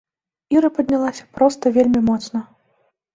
Іра паднялася проста вельмі моцна.